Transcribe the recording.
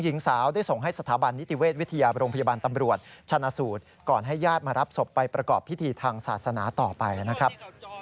และมารับศพไปประกอบพิธีทางศาสนาต่อไปนะครับ